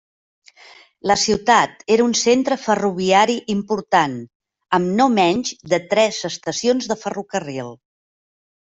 La ciutat era un centre ferroviari important, amb no menys de tres estacions de ferrocarril.